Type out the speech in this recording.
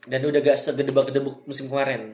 dan udah gak segedebak gedebuk musim kemarin